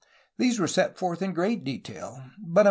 These were set forth in great detail, but ^.